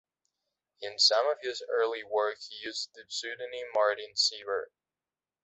In some of his early work he used the pseudonym Martin Sievre.